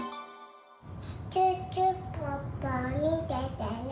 シュッシュポッポみててね！